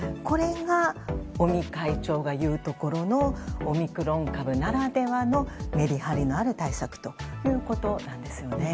これが尾身会長が言うところのオミクロン株ならではのメリハリのある対策ということです。